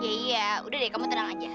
iya udah deh kamu tenang aja